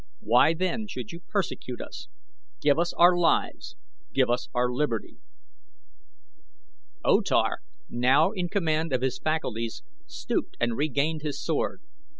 Why then should you persecute us? Give us our lives. Give us our liberty." O Tar, now in command of his faculties, stooped and regained his sword.